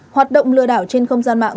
hoạt động lừa đảo trên không gian mạng